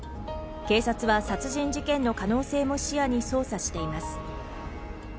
警察は殺人事件の可能性も視野に捜査しています。